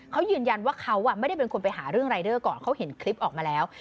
เขายืนยันว่าเขาไม่ได้เป็นคนไปหาเรื่องรายเดอร์ก่อนเขาเห็นคลิปออกมาแล้ว